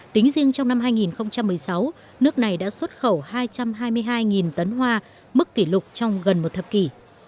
tính riêng trong năm hai nghìn một mươi sáu nước này đã xuất khẩu hai trăm hai mươi hai tấn hoa mức kỷ lục trong gần một thập kỷ